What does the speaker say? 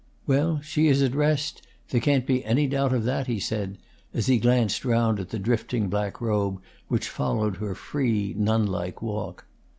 "Well, she is at rest, there can't be any doubt of that," he said, as he glanced round at the drifting black robe which followed her free, nun like walk.